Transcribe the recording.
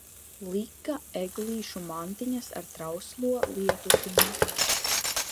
Lika eglīšu mantiņas ar trauslo lietutiņu.